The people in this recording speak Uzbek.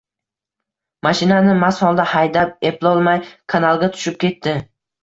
Mashinani mast holda haydab, eplolmay kanalga tushib ketdi